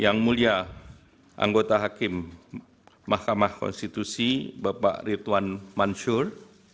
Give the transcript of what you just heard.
yang mulia anggota hakim mahkamah konstitusi bapak ridwan mansur